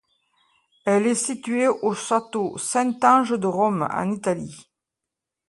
Elle est située au château Saint-Ange de Rome, en Italie.